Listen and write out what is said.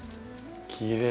きれい。